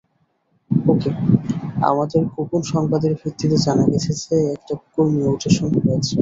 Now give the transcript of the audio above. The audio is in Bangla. ওকে, আমাদের গোপন সংবাদের ভিত্তিতে জানা গেছে যে একটা কুকুর মিউটেশন হয়েছে।